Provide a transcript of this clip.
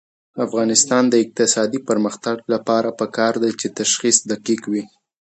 د افغانستان د اقتصادي پرمختګ لپاره پکار ده چې تشخیص دقیق وي.